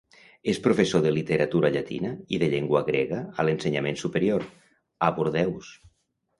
És professor de literatura llatina i de llengua grega a l’ensenyament superior, a Bordeus.